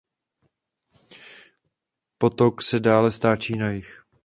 Potok se dále stáčí na jih.